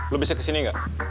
lo bisa ke sini enggak